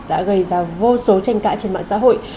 đã gây ra vô số tranh cãi trên mạng xã hội